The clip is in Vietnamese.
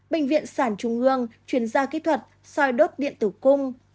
bệnh viện sản trung hương chuyển gia kỹ thuật soi đốt điện tử cung